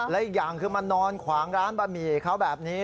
และอีกอย่างคือมานอนขวางร้านบะหมี่เขาแบบนี้